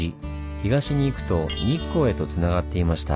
東に行くと日光へとつながっていました。